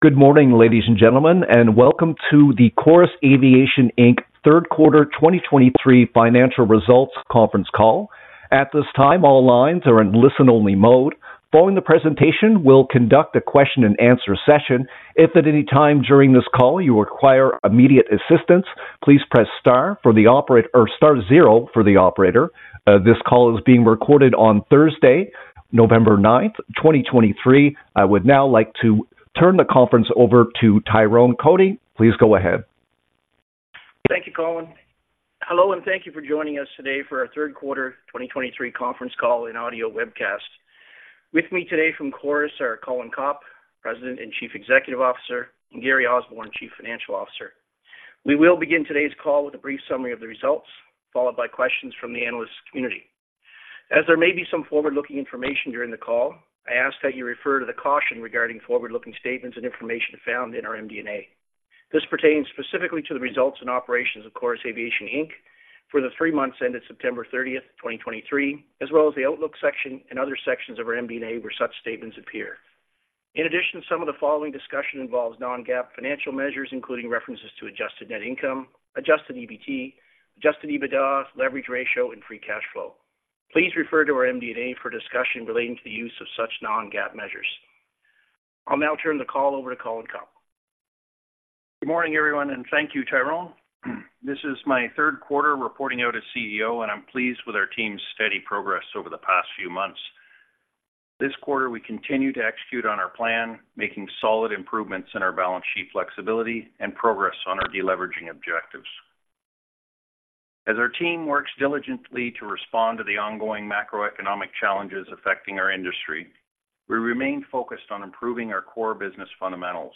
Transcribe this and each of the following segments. Good morning, ladies and gentlemen, and welcome to the Chorus Aviation Inc. Third Quarter 2023 Financial Results conference call. At this time, all lines are in listen-only mode. Following the presentation, we'll conduct a question and answer session. If at any time during this call you require immediate assistance, please press Star for the operator or Star zero for the operator. This call is being recorded on Thursday, November 9, 2023. I would now like to turn the conference over to Tyrone Cotie. Please go ahead. Thank you, Colin. Hello, and thank you for joining us today for our third quarter 2023 conference call and audio webcast. With me today from Chorus are Colin Copp, President and Chief Executive Officer, and Gary Osborne, Chief Financial Officer. We will begin today's call with a brief summary of the results, followed by questions from the analyst community. As there may be some forward-looking information during the call, I ask that you refer to the caution regarding forward-looking statements and information found in our MD&A. This pertains specifically to the results and operations of Chorus Aviation Inc. for the 3 months ended September 30, 2023, as well as the outlook section and other sections of our MD&A, where such statements appear. In addition, some of the following discussion involves non-GAAP financial measures, including references to Adjusted Net Income, Adjusted EBT, Adjusted EBITDA, leverage ratio, and free cash flow. Please refer to our MD&A for discussion relating to the use of such non-GAAP measures. I'll now turn the call over to Colin Copp. Good morning, everyone, and thank you, Tyrone. This is my third quarter reporting out as CEO, and I'm pleased with our team's steady progress over the past few months. This quarter, we continue to execute on our plan, making solid improvements in our balance sheet flexibility and progress on our deleveraging objectives. As our team works diligently to respond to the ongoing macroeconomic challenges affecting our industry, we remain focused on improving our core business fundamentals.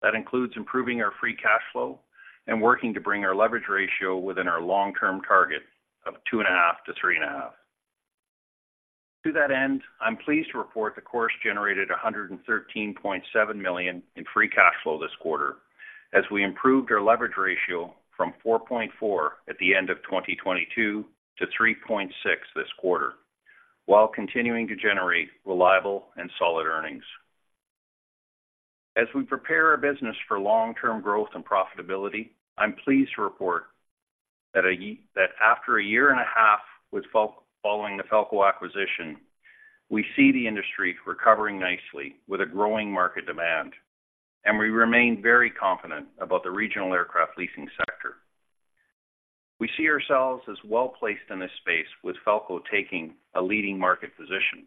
That includes improving our free cash flow and working to bring our leverage ratio within our long-term target of 2.5-3.5. To that end, I'm pleased to report that Chorus generated 113.7 million in free cash flow this quarter, as we improved our leverage ratio from 4.4 at the end of 2022 to 3.6 this quarter, while continuing to generate reliable and solid earnings. As we prepare our business for long-term growth and profitability, I'm pleased to report that after a year and a half following the Falko acquisition, we see the industry recovering nicely with a growing market demand, and we remain very confident about the regional aircraft leasing sector. We see ourselves as well-placed in this space, with Falko taking a leading market position.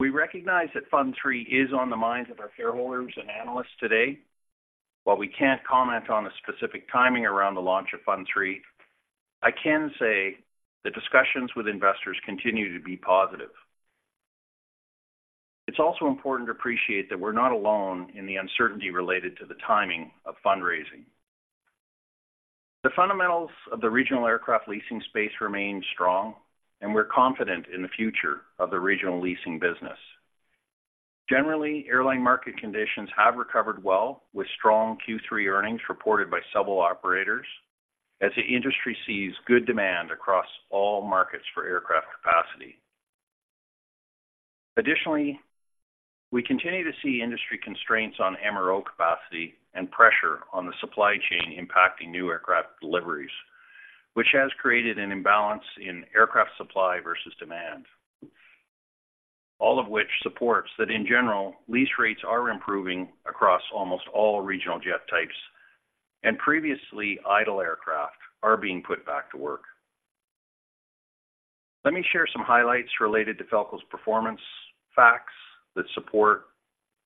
We recognize that Fund III is on the minds of our shareholders and analysts today. While we can't comment on the specific timing around the launch of Fund III, I can say the discussions with investors continue to be positive. It's also important to appreciate that we're not alone in the uncertainty related to the timing of fundraising. The fundamentals of the regional aircraft leasing space remain strong, and we're confident in the future of the regional leasing business. Generally, airline market conditions have recovered well, with strong Q3 earnings reported by several operators, as the industry sees good demand across all markets for aircraft capacity. Additionally, we continue to see industry constraints on MRO capacity and pressure on the supply chain impacting new aircraft deliveries, which has created an imbalance in aircraft supply versus demand. All of which supports that, in general, lease rates are improving across almost all regional jet types, and previously idle aircraft are being put back to work. Let me share some highlights related to Falko's performance, facts that support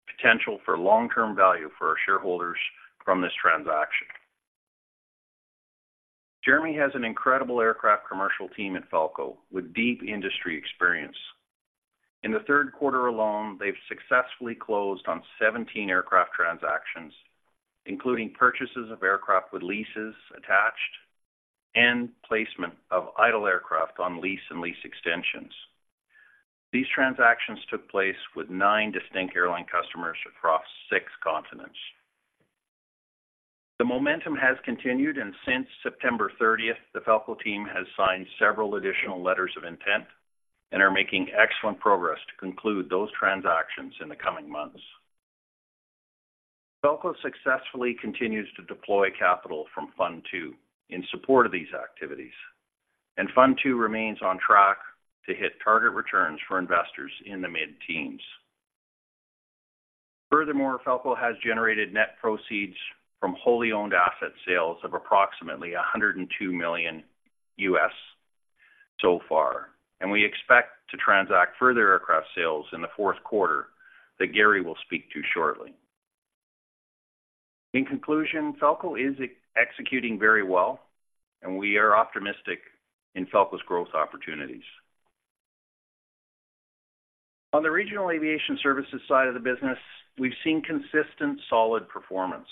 potential for long-term value for our shareholders from this transaction. Jeremy has an incredible aircraft commercial team at Falko, with deep industry experience. In the third quarter alone, they've successfully closed on 17 aircraft transactions, including purchases of aircraft with leases attached and placement of idle aircraft on lease and lease extensions. These transactions took place with 9 distinct airline customers across 6 continents. The momentum has continued, and since September 30, the Falko team has signed several additional letters of intent and are making excellent progress to conclude those transactions in the coming months. Falko successfully continues to deploy capital from Fund II in support of these activities, and Fund II remains on track to hit target returns for investors in the mid-teens. Furthermore, Falko has generated net proceeds from wholly owned asset sales of approximately $102 million so far, and we expect to transact further asset sales in the fourth quarter that Gary will speak to shortly. In conclusion, Falko is executing very well, and we are optimistic in Falko's growth opportunities. On the regional aviation services side of the business, we've seen consistent, solid performance.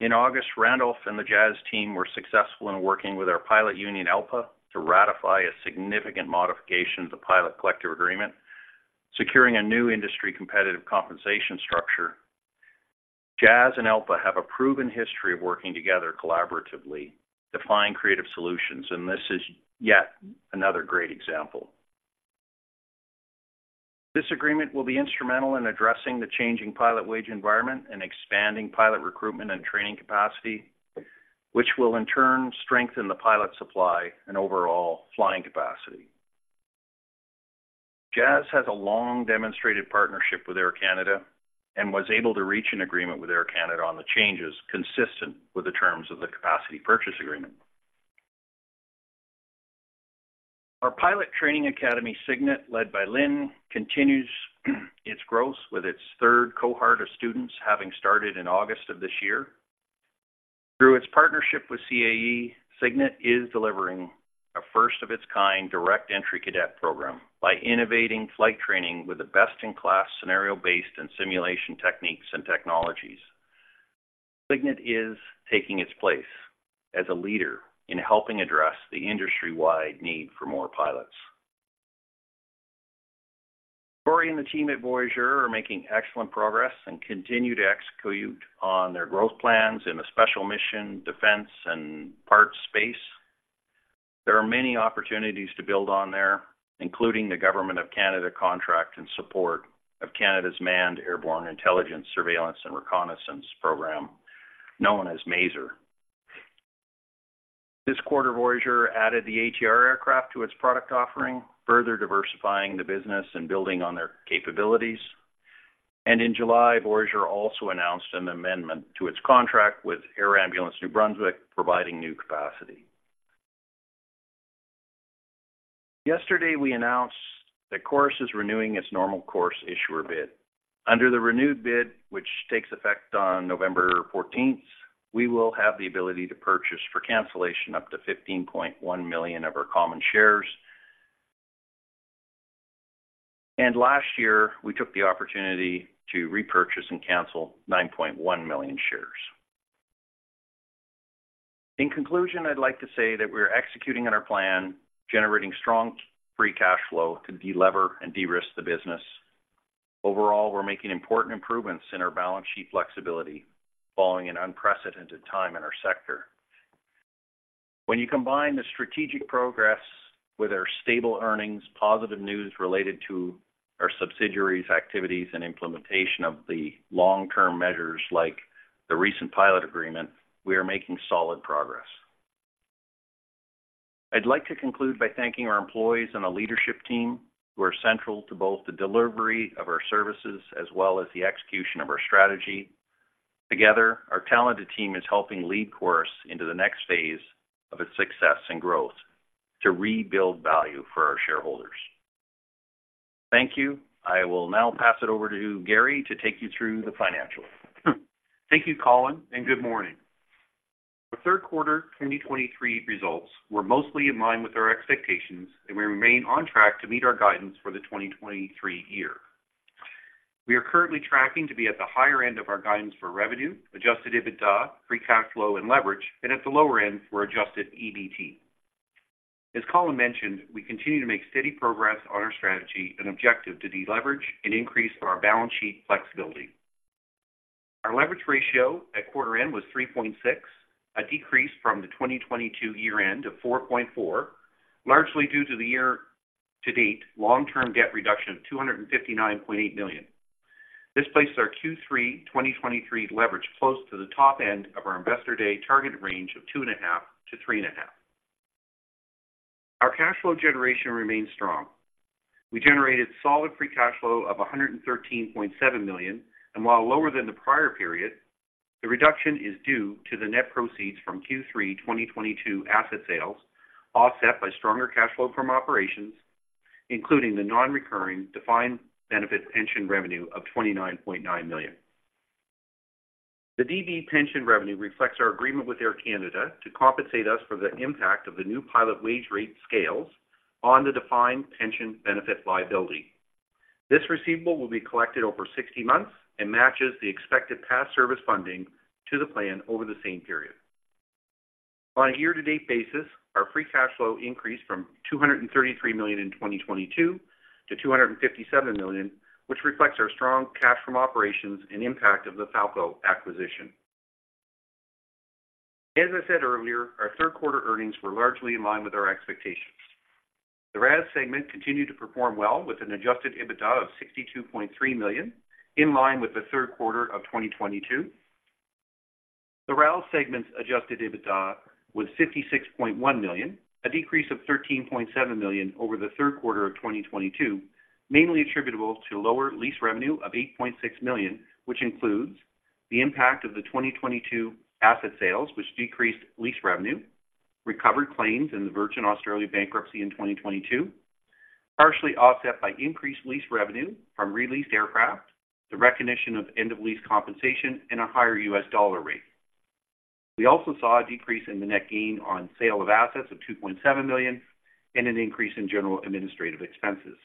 In August, Randolph and the Jazz team were successful in working with our pilot union, ALPA, to ratify a significant modification to pilot collective agreement, securing a new industry competitive compensation structure. Jazz and ALPA have a proven history of working together collaboratively to find creative solutions, and this is yet another great example. This agreement will be instrumental in addressing the changing pilot wage environment and expanding pilot recruitment and training capacity, which will in turn strengthen the pilot supply and overall flying capacity. Jazz has a long demonstrated partnership with Air Canada and was able to reach an agreement with Air Canada on the changes consistent with the terms of the capacity purchase agreement. Our pilot training academy, Cygnet, led by Lynn, continues its growth, with its third cohort of students having started in August of this year. Through its partnership with CAE, Cygnet is delivering a first-of-its-kind direct-entry cadet program by innovating flight training with a best-in-class scenario-based and simulation techniques and technologies. Cygnet is taking its place as a leader in helping address the industry-wide need for more pilots. Cory and the team at Voyageur are making excellent progress and continue to execute on their growth plans in the special mission, defense, and parts space. There are many opportunities to build on there, including the Government of Canada contract in support of Canada's Manned Airborne Intelligence, Surveillance, and Reconnaissance program, known as MAISR. This quarter, Voyageur added the ATR aircraft to its product offering, further diversifying the business and building on their capabilities. In July, Voyageur also announced an amendment to its contract with Air Ambulance New Brunswick, providing new capacity. Yesterday, we announced that Chorus is renewing its normal course issuer bid. Under the renewed bid, which takes effect on November fourteenth, we will have the ability to purchase for cancellation up to 15.1 million of our common shares. Last year, we took the opportunity to repurchase and cancel 9.1 million shares. In conclusion, I'd like to say that we are executing on our plan, generating strong Free Cash Flow to delever and de-risk the business. Overall, we're making important improvements in our balance sheet flexibility, following an unprecedented time in our sector. When you combine the strategic progress with our stable earnings, positive news related to our subsidiaries' activities, and implementation of the long-term measures, like the recent pilot agreement, we are making solid progress. I'd like to conclude by thanking our employees and the leadership team, who are central to both the delivery of our services as well as the execution of our strategy. Together, our talented team is helping lead Chorus into the next phase of its success and growth to rebuild value for our shareholders. Thank you. I will now pass it over to Gary to take you through the financials. Thank you, Colin, and good morning. Our third quarter 2023 results were mostly in line with our expectations, and we remain on track to meet our guidance for the 2023 year. We are currently tracking to be at the higher end of our guidance for revenue, Adjusted EBITDA, free cash flow, and leverage, and at the lower end for Adjusted EBT. As Colin mentioned, we continue to make steady progress on our strategy and objective to deleverage and increase our balance sheet flexibility. Our leverage ratio at quarter end was 3.6, a decrease from the 2022 year-end of 4.4, largely due to the year-to-date long-term debt reduction of 259.8 million. This places our Q3 2023 leverage close to the top end of our Investor Day target range of 2.5-3.5. Our cash flow generation remains strong. We generated solid free cash flow of 113.7 million, and while lower than the prior period, the reduction is due to the net proceeds from Q3 2022 asset sales, offset by stronger cash flow from operations, including the non-recurring defined benefit pension revenue of 29.9 million. The DB pension revenue reflects our agreement with Air Canada to compensate us for the impact of the new pilot wage rate scales on the defined pension benefit liability. This receivable will be collected over 60 months and matches the expected past service funding to the plan over the same period. On a year-to-date basis, our free cash flow increased from 233 million in 2022 to 257 million, which reflects our strong cash from operations and impact of the Falko acquisition. As I said earlier, our third quarter earnings were largely in line with our expectations. The RAS segment continued to perform well, with an Adjusted EBITDA of 62.3 million, in line with the third quarter of 2022. The RAL segment's Adjusted EBITDA was 56.1 million, a decrease of 13.7 million over the third quarter of 2022, mainly attributable to lower lease revenue of 8.6 million, which includes the impact of the 2022 asset sales, which decreased lease revenue, recovered claims in the Virgin Australia bankruptcy in 2022, partially offset by increased lease revenue from released aircraft, the recognition of end-of-lease compensation, and a higher U.S. dollar rate. We also saw a decrease in the net gain on sale of assets of 2.7 million and an increase in general administrative expenses.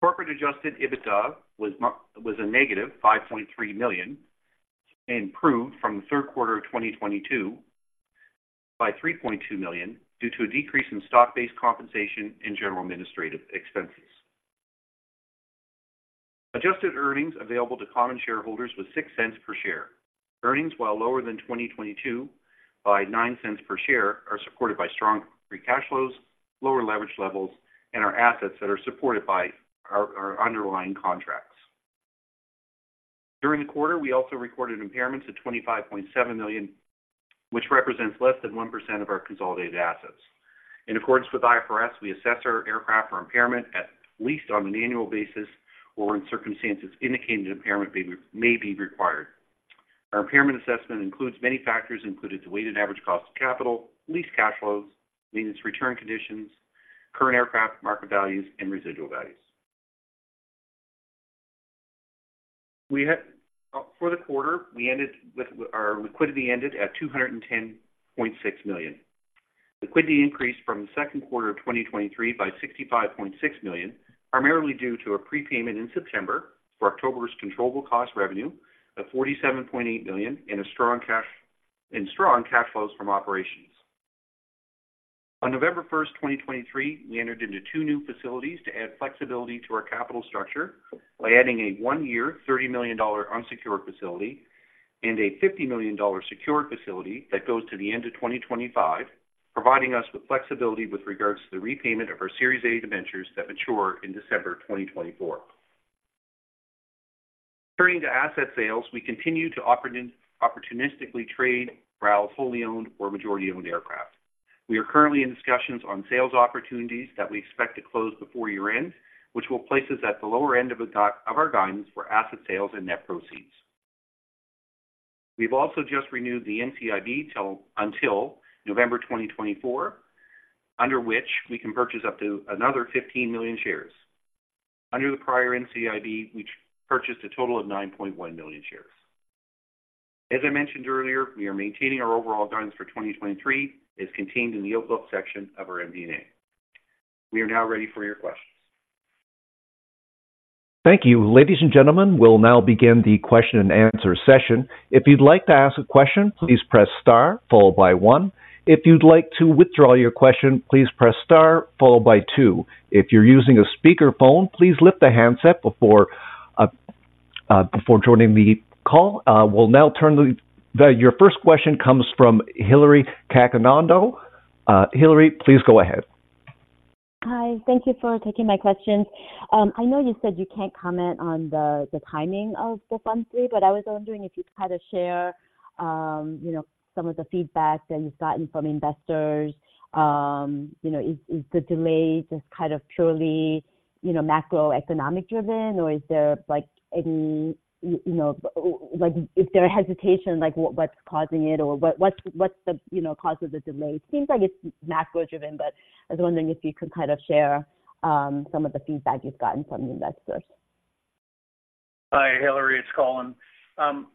Corporate Adjusted EBITDA was a negative 5.3 million, improved from the third quarter of 2022 by 3.2 million due to a decrease in stock-based compensation and general administrative expenses. Adjusted earnings available to common shareholders was 0.06 per share. Earnings, while lower than 2022 by 0.09 per share, are supported by strong free cash flows, lower leverage levels, and our assets that are supported by our, our underlying contracts. During the quarter, we also recorded impairments of 25.7 million, which represents less than 1% of our consolidated assets. In accordance with IFRS, we assess our aircraft for impairment at least on an annual basis or in circumstances indicating that impairment may be, may be required. Our impairment assessment includes many factors, including the weighted average cost of capital, lease cash flows, maintenance return conditions, current aircraft market values, and residual values. For the quarter, our liquidity ended at 210.6 million. Liquidity increased from the second quarter of 2023 by 65.6 million, primarily due to a prepayment in September for October's controllable cost revenue of 47.8 million, and strong cash flows from operations. On November 1, 2023, we entered into two new facilities to add flexibility to our capital structure by adding a one-year 30 million-dollar unsecured facility and a 50 million-dollar secured facility that goes to the end of 2025, providing us with flexibility with regards to the repayment of our Series A debentures that mature in December 2024. Turning to asset sales, we continue to opportunistically trade our fully owned or majority-owned aircraft. We are currently in discussions on sales opportunities that we expect to close before year-end, which will place us at the lower end of our guidance for asset sales and net proceeds. We've also just renewed the NCIB until November 2024, under which we can purchase up to another 15 million shares. Under the prior NCIB, we purchased a total of 9.1 million shares. As I mentioned earlier, we are maintaining our overall guidance for 2023, as contained in the outlook section of our MD&A. We are now ready for your questions. Thank you. Ladies and gentlemen, we'll now begin the question and answer session. If you'd like to ask a question, please press star followed by one. If you'd like to withdraw your question, please press star followed by two. If you're using a speakerphone, please lift the handset before joining the call. We'll now turn to the your first question comes from Hillary Cacanando. Hillary, please go ahead. Hi, thank you for taking my questions. I know you said you can't comment on the timing of the Fund III, but I was wondering if you could kind of share, you know, some of the feedback that you've gotten from investors. You know, is the delay just kind of purely, you know, macroeconomic driven, or is there, like, any, you know, like, is there a hesitation, like, what's causing it? Or what's the, you know, cause of the delay? It seems like it's macro-driven, but I was wondering if you could kind of share some of the feedback you've gotten from investors. Hi, Hillary, it's Colin.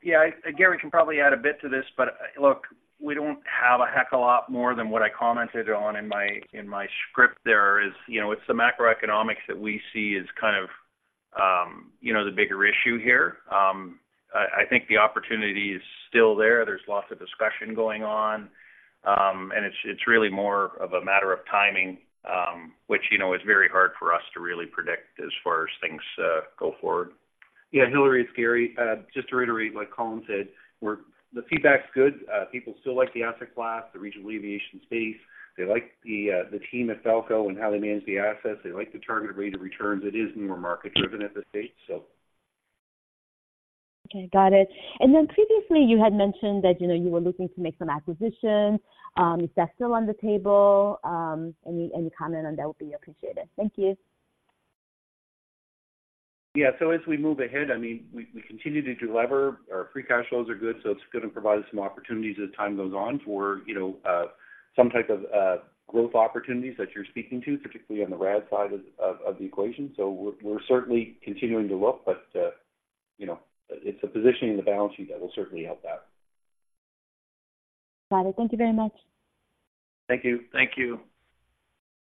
Yeah, Gary can probably add a bit to this, but look, we don't have a heck of a lot more than what I commented on in my script there. You know, it's the macroeconomics that we see as kind of you know, the bigger issue here. I think the opportunity is still there. There's lots of discussion going on, and it's really more of a matter of timing, which you know, is very hard for us to really predict as far as things go forward. Yeah, Hillary, it's Gary. Just to reiterate what Colin said, the feedback's good. People still like the asset class, the regional aviation space. They like the team at Falko and how they manage the assets. They like the targeted rate of returns. It is more market driven at this stage, so. Okay, got it. Then previously, you had mentioned that, you know, you were looking to make some acquisitions. Is that still on the table? Any comment on that would be appreciated. Thank you. Yeah. So as we move ahead, I mean, we, we continue to delever. Our free cash flows are good, so it's going to provide us some opportunities as time goes on for, you know, some type of growth opportunities that you're speaking to, particularly on the RAL side of, of, of the equation. So we're, we're certainly continuing to look, but, you know, it's a positioning in the balance sheet that will certainly help that. Got it. Thank you very much. Thank you. Thank you.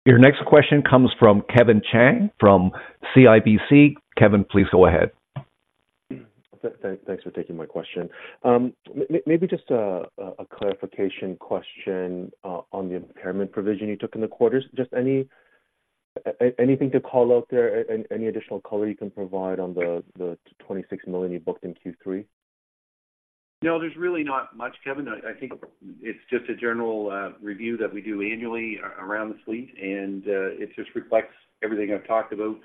Your next question comes from Kevin Chiang, from CIBC. Kevin, please go ahead. Thanks, thanks for taking my question. Maybe just a clarification question on the impairment provision you took in the quarter. Just anything to call out there, any additional color you can provide on the 26 million you booked in Q3? No, there's really not much, Kevin. I think it's just a general review that we do annually around the fleet, and it just reflects everything I've talked about,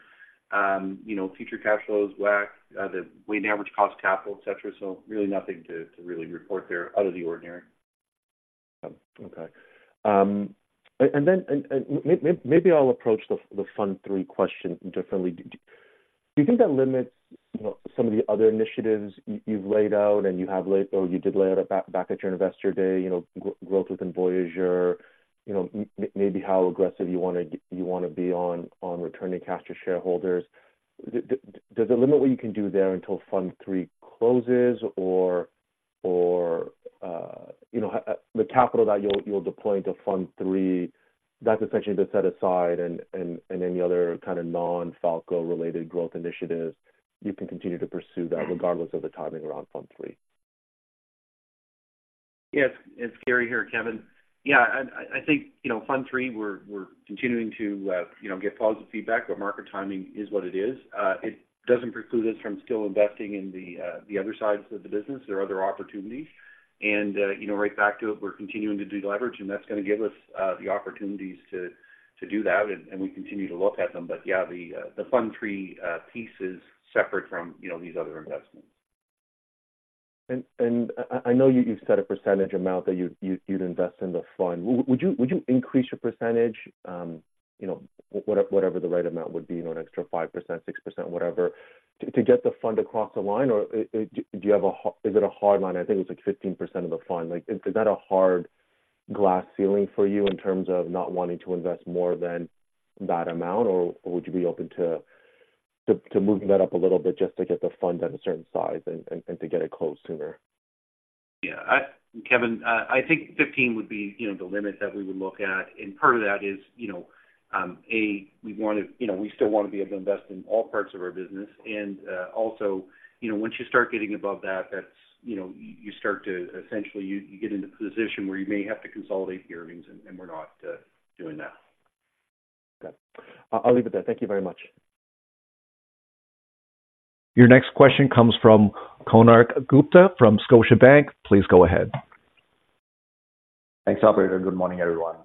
you know, future cash flows, WACC, the weighted average cost of capital, et cetera. So really nothing to really report there out of the ordinary. Okay. And then maybe I'll approach the Fund III question differently. Do you think that limits, you know, some of the other initiatives you've laid out and you have laid, or you did lay out back at your Investor Day, you know, growth within Voyageur, you know, maybe how aggressive you want to be on returning cash to shareholders? Does it limit what you can do there until Fund III closes or, you know, the capital that you'll deploy into Fund III? That's essentially the set aside and any other kind of non-Falko related growth initiatives, you can continue to pursue that regardless of the timing around Fund III? Yes, it's Gary here, Kevin. Yeah, I think, you know, Fund III, we're continuing to, you know, get positive feedback, but market timing is what it is. It doesn't preclude us from still investing in the other sides of the business. There are other opportunities. And, you know, right back to it, we're continuing to de-leverage, and that's gonna give us the opportunities to do that, and we continue to look at them. But yeah, the Fund III piece is separate from, you know, these other investments. I know you've set a percentage amount that you'd invest in the fund. Would you increase your percentage, you know, whatever the right amount would be, you know, an extra 5%, 6%, whatever, to get the fund across the line? Or do you have a hard line? I think it's like 15% of the fund. Like, is that a hard glass ceiling for you in terms of not wanting to invest more than that amount, or would you be open to moving that up a little bit just to get the fund at a certain size and to get it closed sooner? Yeah, Kevin, I think 15 would be, you know, the limit that we would look at. And part of that is, you know, we wanna, you know, we still wanna be able to invest in all parts of our business. And, you know, once you start getting above that, that's, you know, you start to essentially, you get into a position where you may have to consolidate the earnings, and we're not doing that. Okay. I'll leave it there. Thank you very much. Your next question comes from Konark Gupta from Scotiabank. Please go ahead. Thanks, operator. Good morning, everyone.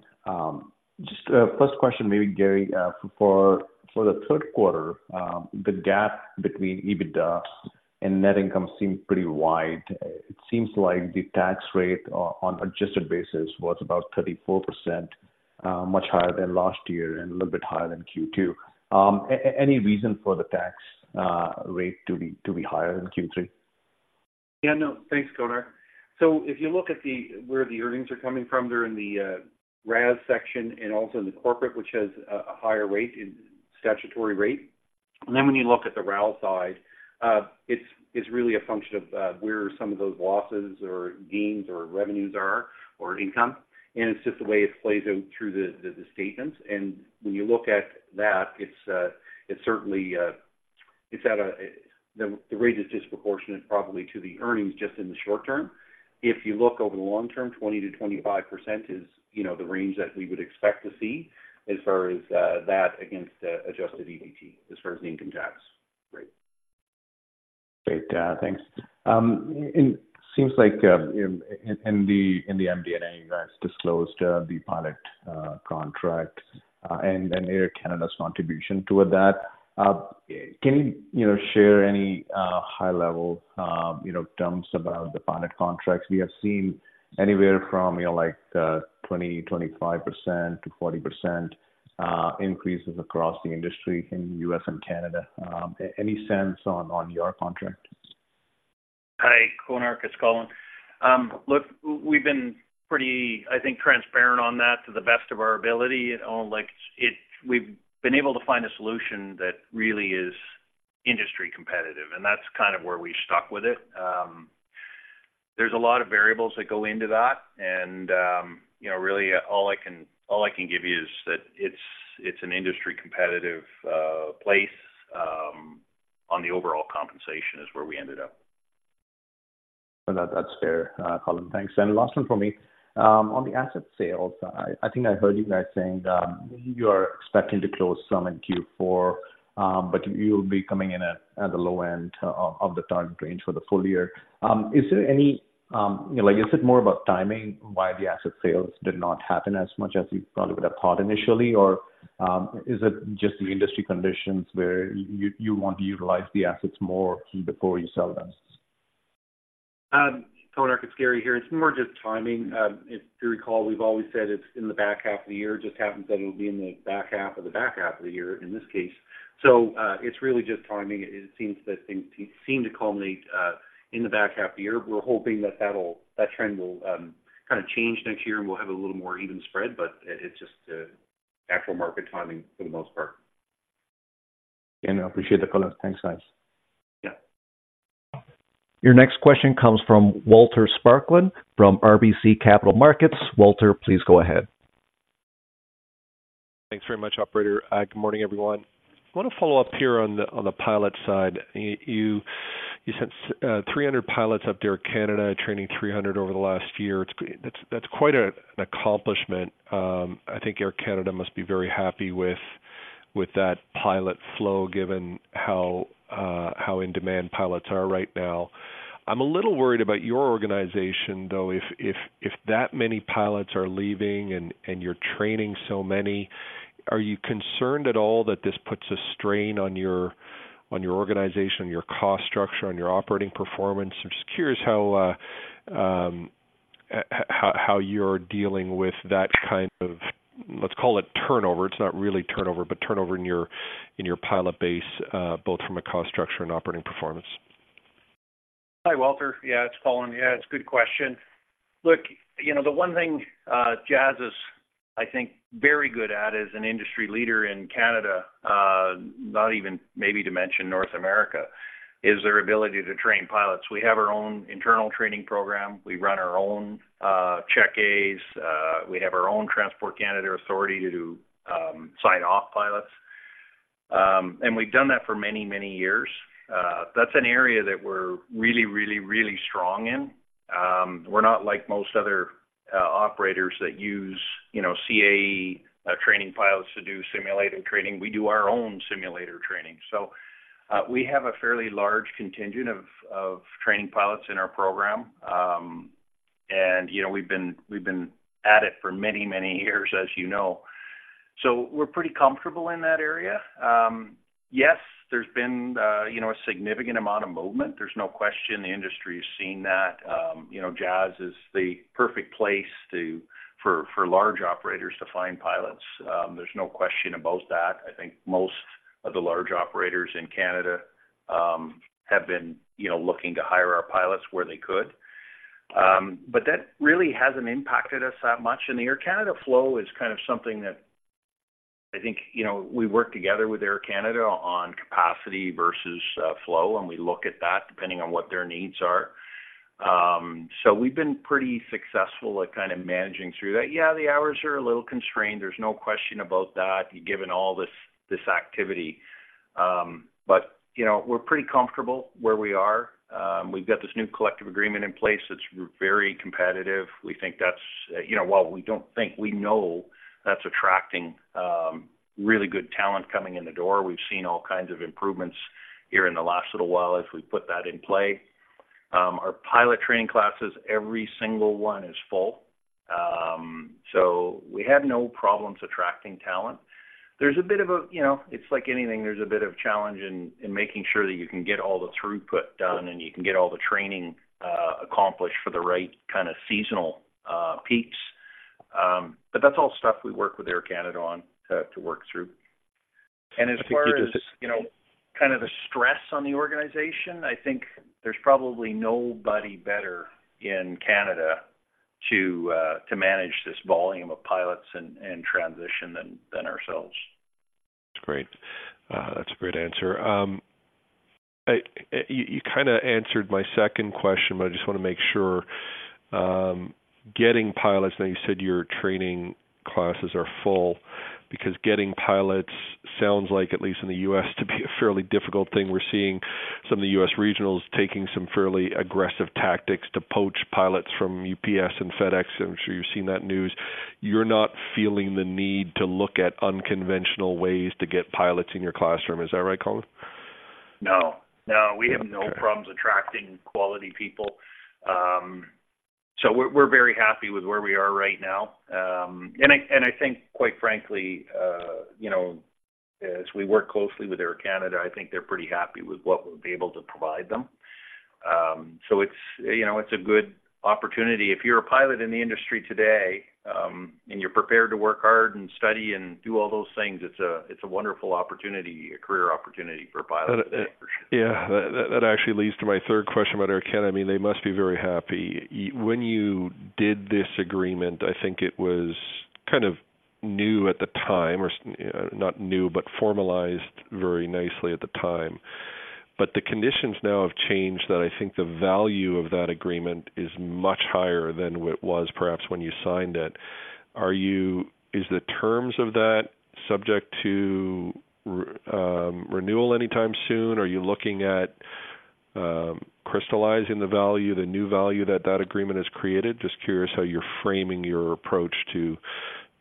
Just first question, maybe Gary. For the third quarter, the gap between EBITDA and net income seemed pretty wide. It seems like the tax rate on adjusted basis was about 34%, much higher than last year and a little bit higher than Q2. Any reason for the tax rate to be higher in Q3? Yeah, no. Thanks, Konark. So if you look at the, where the earnings are coming from, they're in the RAS section and also in the corporate, which has a higher rate in statutory rate. And then when you look at the RAL side, it's really a function of where some of those losses or gains or revenues are, or income, and it's just the way it plays out through the statements. And when you look at that, it's certainly it's at a - the rate is disproportionate, probably to the earnings, just in the short term. If you look over the long term, 20%-25% is, you know, the range that we would expect to see as far as that against Adjusted EBT, as far as the income tax. Great. Great, thanks. And seems like in the MD&A, you guys disclosed the pilot contract and Air Canada's contribution toward that. Can you, you know, share any high level, you know, terms about the pilot contracts? We have seen anywhere from, you know, like, 20-25% to 40% increases across the industry in the U.S. and Canada. Any sense on your contracts? Hi, Konark, it's Colin. Look, we've been pretty, I think, transparent on that to the best of our ability. Like, it, we've been able to find a solution that really is industry competitive, and that's kind of where we stuck with it. There's a lot of variables that go into that, and, you know, really, all I can, all I can give you is that it's, it's an industry competitive place on the overall compensation is where we ended up. Well, that's fair, Colin. Thanks. And last one for me. On the asset sales, I think I heard you guys saying that you are expecting to close some in Q4, but you'll be coming in at the low end of the target range for the full year. Is there any, you know, like, is it more about timing, why the asset sales did not happen as much as you probably would have thought initially? Or, is it just the industry conditions where you want to utilize the assets more before you sell them? Konark, it's Gary here. It's more just timing. If you recall, we've always said it's in the back half of the year, just happens that it'll be in the back half of the back half of the year, in this case. So, it's really just timing. It seems that things seem to culminate in the back half of the year. We're hoping that that trend will kind of change next year, and we'll have a little more even spread, but it, it's just actual market timing for the most part. I appreciate the color. Thanks, guys. Yeah. Your next question comes from Walter Spracklin, from RBC Capital Markets. Walter, please go ahead. Thanks very much, operator. Good morning, everyone. I want to follow up here on the, on the pilot side. You, you sent, 300 pilots up to Air Canada, training 300 over the last year. That's, that's quite an accomplishment. I think Air Canada must be very happy with, with that pilot flow, given how, how in demand pilots are right now. I'm a little worried about your organization, though. If, if, if that many pilots are leaving and, and you're training so many, are you concerned at all that this puts a strain on your, on your organization, on your cost structure, on your operating performance? I'm just curious how, how, how you're dealing with that kind of, let's call it turnover. It's not really turnover, but turnover in your pilot base, both from a cost structure and operating performance. Hi, Walter. Yeah, it's Colin. Yeah, it's a good question. Look, you know, the one thing, Jazz is, I think, very good at is an industry leader in Canada, not even maybe to mention North America, is their ability to train pilots. We have our own internal training program. We run our own Check A's. We have our own Transport Canada authority to sign off pilots. And we've done that for many, many years. That's an area that we're really, really, really strong in. We're not like most other operators that use, you know, CAE training pilots to do simulator training. We do our own simulator training. So we have a fairly large contingent of training pilots in our program. And, you know, we've been at it for many, many years, as you know, so we're pretty comfortable in that area. Yes, there's been, you know, a significant amount of movement. There's no question the industry has seen that. You know, Jazz is the perfect place for large operators to find pilots. There's no question about that. I think most of the large operators in Canada have been, you know, looking to hire our pilots where they could. But that really hasn't impacted us that much. And the Air Canada flow is kind of something that I think, you know, we work together with Air Canada on capacity versus flow, and we look at that depending on what their needs are. So we've been pretty successful at kind of managing through that. Yeah, the hours are a little constrained, there's no question about that, given all this activity. But, you know, we're pretty comfortable where we are. We've got this new collective agreement in place that's very competitive. We think that's, you know, well, we don't think, we know that's attracting really good talent coming in the door. We've seen all kinds of improvements here in the last little while as we put that in play. Our pilot training classes, every single one is full. So we have no problems attracting talent. There's a bit of a, you know, it's like anything, there's a bit of challenge in making sure that you can get all the throughput done and you can get all the training accomplished for the right kind of seasonal peaks. But that's all stuff we work with Air Canada on to work through. And as far as, you know, kind of the stress on the organization, I think there's probably nobody better in Canada to manage this volume of pilots and transition than ourselves. That's great. That's a great answer. You kind of answered my second question, but I just want to make sure, getting pilots, now, you said your training classes are full, because getting pilots sounds like, at least in the U.S., to be a fairly difficult thing. We're seeing some of the U.S. regionals taking some fairly aggressive tactics to poach pilots from UPS and FedEx. I'm sure you've seen that news. You're not feeling the need to look at unconventional ways to get pilots in your classroom. Is that right, Colin? No, no, we have no problems attracting quality people. So we're very happy with where we are right now. And I think, quite frankly, you know, as we work closely with Air Canada, I think they're pretty happy with what we'll be able to provide them. So it's, you know, it's a good opportunity. If you're a pilot in the industry today, and you're prepared to work hard and study and do all those things, it's a wonderful opportunity, a career opportunity for a pilot. Yeah. That, that actually leads to my third question about Air Canada. I mean, they must be very happy. When you did this agreement, I think it was kind of new at the time, or not new, but formalized very nicely at the time. But the conditions now have changed, that I think the value of that agreement is much higher than it was perhaps when you signed it. Are the terms of that subject to renewal anytime soon? Are you looking at crystallizing the value, the new value that that agreement has created? Just curious how you're framing your approach to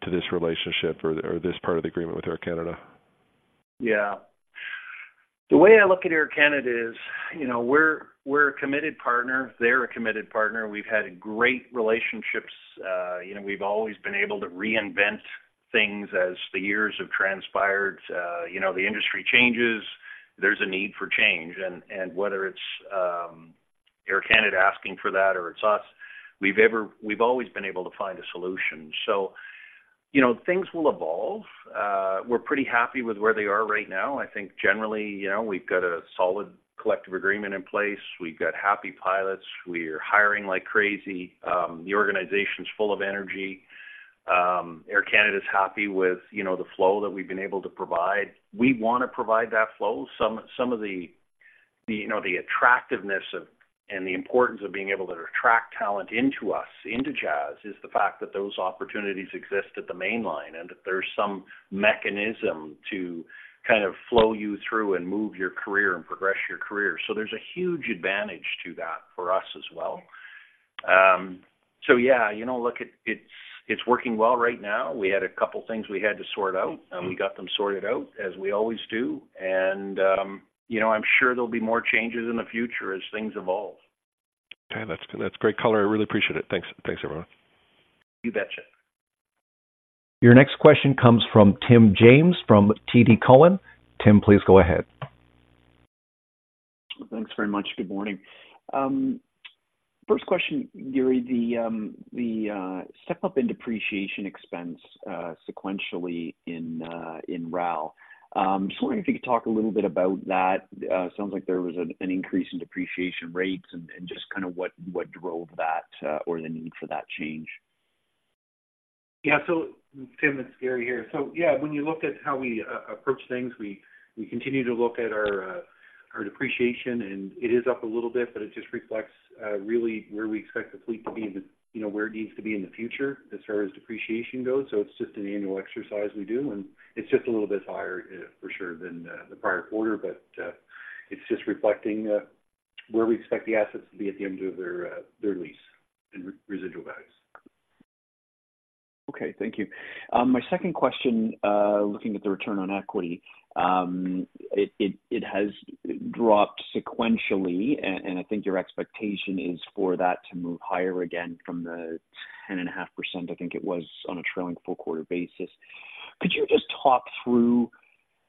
this relationship or this part of the agreement with Air Canada. Yeah. The way I look at Air Canada is, you know, we're a committed partner, they're a committed partner. We've had great relationships. You know, we've always been able to reinvent things as the years have transpired. You know, the industry changes, there's a need for change. And whether it's Air Canada asking for that or it's us, we've always been able to find a solution. So, you know, things will evolve. We're pretty happy with where they are right now. I think generally, you know, we've got a solid collective agreement in place. We've got happy pilots. We're hiring like crazy. The organization's full of energy. Air Canada's happy with, you know, the flow that we've been able to provide. We want to provide that flow. Some of the attractiveness of and the importance of being able to attract talent into us, into Jazz, is the fact that those opportunities exist at the mainline, and that there's some mechanism to kind of flow you through and move your career and progress your career. So there's a huge advantage to that for us as well. So yeah, you know, look, it's working well right now. We had a couple things we had to sort out, and we got them sorted out, as we always do. You know, I'm sure there'll be more changes in the future as things evolve. Okay. That's, that's great, Colin. I really appreciate it. Thanks. Thanks, everyone. You betcha. Your next question comes from Tim James, from TD Cowen. Tim, please go ahead. Thanks very much. Good morning. First question, Gary, the step-up in depreciation expense sequentially in RAL. Just wondering if you could talk a little bit about that. It sounds like there was an increase in depreciation rates and just kind of what drove that or the need for that change? Yeah. So Tim, it's Gary here. So yeah, when you look at how we approach things, we continue to look at our depreciation, and it is up a little bit, but it just reflects really where we expect the fleet to be in the, you know, where it needs to be in the future as far as depreciation goes. So it's just an annual exercise we do, and it's just a little bit higher for sure than the prior quarter, but it's just reflecting where we expect the assets to be at the end of their lease and residual values. Okay, thank you. My second question, looking at the return on equity, it has dropped sequentially, and I think your expectation is for that to move higher again from the 10.5%, I think it was on a trailing full quarter basis. Could you just talk through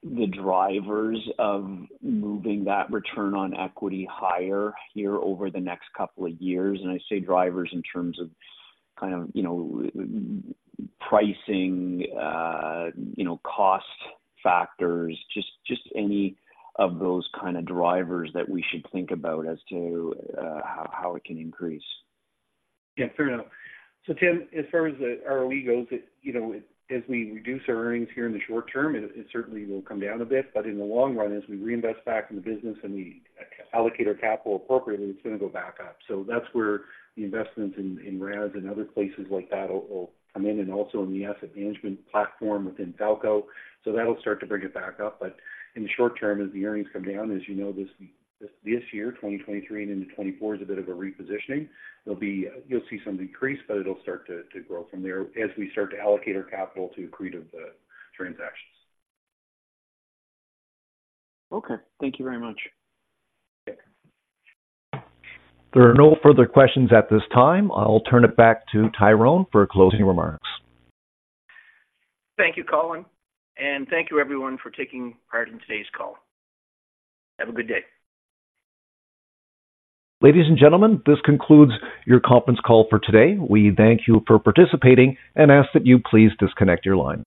the drivers of moving that return on equity higher here over the next couple of years? And I say drivers in terms of kind of, you know, pricing, you know, cost factors, just any of those kind of drivers that we should think about as to how it can increase. Yeah, fair enough. So Tim, as far as the ROE goes, it, you know, as we reduce our earnings here in the short term, it certainly will come down a bit. But in the long run, as we reinvest back in the business and we allocate our capital appropriately, it's going to go back up. So that's where the investments in RAS and other places like that will come in, and also in the asset management platform within Falko. So that'll start to bring it back up. But in the short term, as the earnings come down, as you know, this year, 2023 and into 2024 is a bit of a repositioning. There'll be, you'll see some decrease, but it'll start to grow from there as we start to allocate our capital to accretive transactions. Okay, thank you very much. Yeah. There are no further questions at this time. I'll turn it back to Tyrone for closing remarks. Thank you, Colin, and thank you everyone for taking part in today's call. Have a good day. Ladies and gentlemen, this concludes your conference call for today. We thank you for participating and ask that you please disconnect your lines.